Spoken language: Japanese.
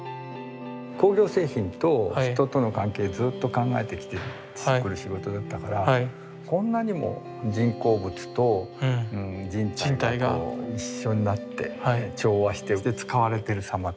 工業製品と人との関係をずっと考えてくる仕事だったからこんなにも人工物と人体がこう一緒になって調和して使われてる様ってなかなかないよねって。